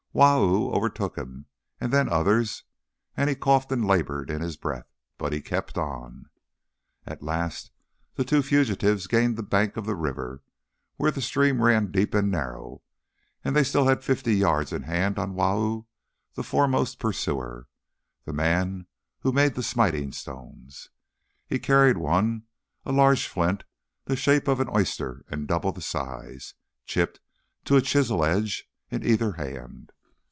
Wau overtook him, and then others, and he coughed and laboured in his breath. But he kept on. At last the two fugitives gained the bank of the river, where the stream ran deep and narrow, and they still had fifty yards in hand of Wau, the foremost pursuer, the man who made the smiting stones. He carried one, a large flint, the shape of an oyster and double the size, chipped to a chisel edge, in either hand.